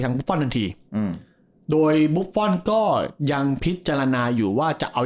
บุฟฟอลทันทีอืมโดยบุฟฟอลก็ยังพิจารณาอยู่ว่าจะเอา